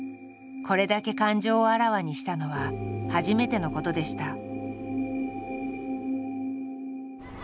これだけ感情をあらわにしたのは初めてのことでした。